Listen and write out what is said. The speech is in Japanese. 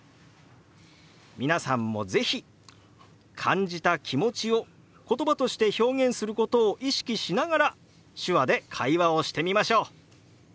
皆さんも是非感じた気持ちを言葉として表現することを意識しながら手話で会話をしてみましょう！